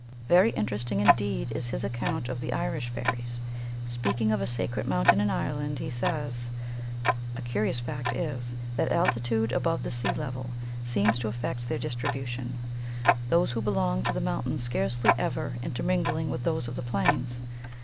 Very interesting indeed is his account of the Irish fairies. Speaking of a sacred mountain in Ireland, he says : "A curious fact is that altitude above the sea level seems to affect their distribution, 192 THE THEOSOPHIC VIEW OF FAIRIES those who belong to the moimtains scarcely ever intermingling with those of the plains.